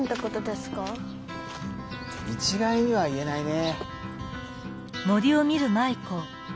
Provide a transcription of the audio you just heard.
いちがいには言えないね。